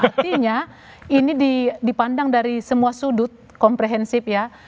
artinya ini dipandang dari semua sudut komprehensif ya